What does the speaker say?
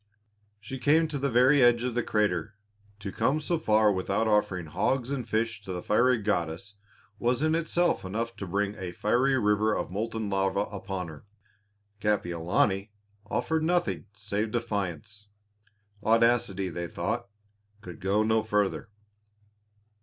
She came to the very edge of the crater. To come so far without offering hogs and fish to the fiery goddess was in itself enough to bring a fiery river of molten lava upon her. Kapiolani offered nothing save defiance. Audacity, they thought, could go no further.